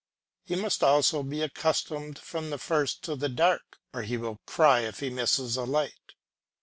He must also be accustomed from the first to the dark, or he will cry if he misses the light.